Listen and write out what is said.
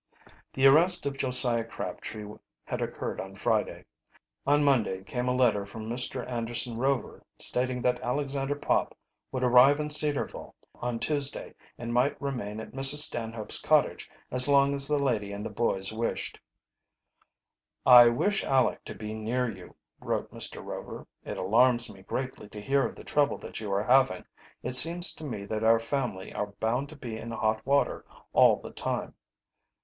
The arrest of Josiah Crabtree had occurred on Friday. On Monday came a letter from Mr. Anderson Rover, stating that Alexander Pop would arrive in Cedarville on Tuesday and might remain at Mrs. Stanhope's cottage as long as the lady and the boys wished. "I wish Aleck to be near you," wrote Mr. Rover. "It alarms me greatly to hear of the trouble that you are having. It seems to me that our family are bound to be in hot water all the time.